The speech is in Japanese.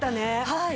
はい。